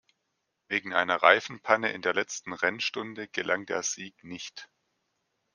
Wegen einer Reifenpanne in der letzten Rennstunde gelang der Sieg nicht.